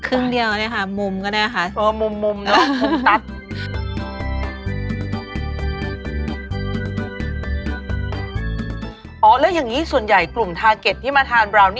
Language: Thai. อุ๊ยสวยแล้วว่ะเนอะ